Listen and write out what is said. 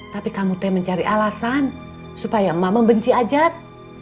tapi kamu teh mencari alasan supaya emak membenci ajad